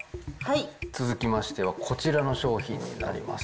続きましては、こちらの商品になります。